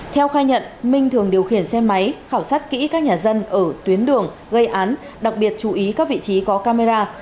theo khai nhận minh thường điều khiển xe máy khảo sát kỹ các nhà dân ở tuyến đường gây án đặc biệt chú ý các vị trí có camera